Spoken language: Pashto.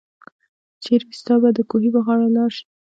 چيري ستاه به دکوهي په غاړه لار شي